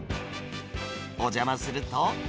お邪魔すると。